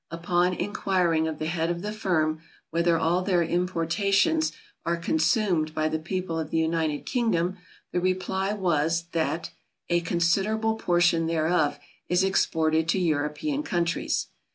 Upon enquiring of the Head of the Firm, whether all their importations are consumed by the people of the United Kingdom, the reply was, that "A considerable portion thereof is exported to European countries."